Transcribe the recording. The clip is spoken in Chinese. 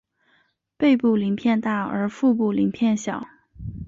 背部鳞片大而腹部鳞片小。